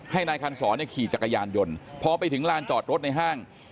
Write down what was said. ให้นายคันศรขี่จักรยานยนต์พอไปถึงลานจอดรถในห้าง